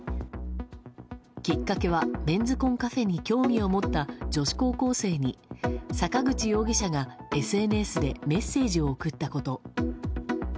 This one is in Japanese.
きっかけは、メンズコンカフェに興味を持った女子高校生に坂口容疑者がＳＮＳでメッセージを送ったこと。